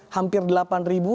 hampir delapan ribu